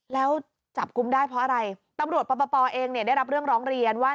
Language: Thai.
แล้วจับกุมได้เพราะอะไรตำรวจปปเองเนี่ยได้รับเรื่องร้องเรียนว่า